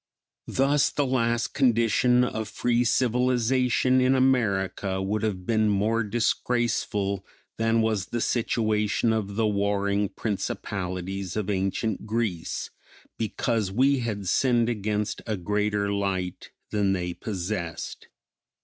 Thus the last condition of free civilization in America would have been more disgraceful than was the situation of the warring principalities of ancient Greece, because we had sinned against a greater light than they possessed.